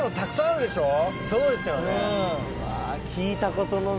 そうですよね。